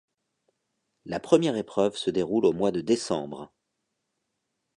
La première épreuve se déroule au mois de décembre.